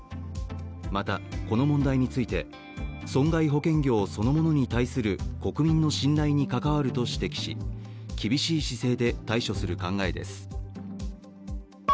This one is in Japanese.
また、この問題について損害保険業そのものに対する国民の信頼に関わると指摘し厳しい姿勢で対処する考えです。